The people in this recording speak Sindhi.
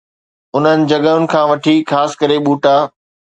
انهن جڳهن کان وٺي خاص ڪري ٻوٽا